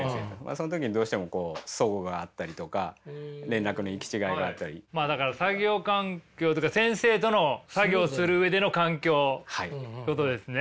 その時にどうしてもこうそごがあったりとかまあだから作業環境というか先生との作業する上での環境ってことですね。